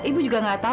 ibu baca aja